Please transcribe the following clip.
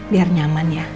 biar nyaman ya